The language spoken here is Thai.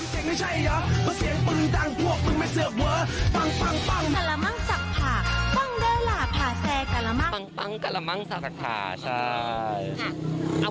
ปั๊งปั๊งกะละมังสักทาใช่